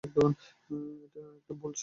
এটা একটা ভুল ছিল।